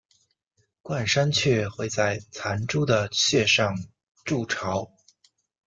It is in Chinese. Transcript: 冠山雀会在残株的穴上筑巢。